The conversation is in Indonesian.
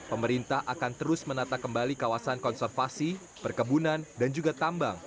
pemerintah akan terus menata kembali kawasan konservasi perkebunan dan juga tambang